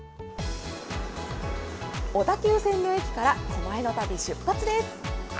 小田急線の駅から狛江の旅、出発です。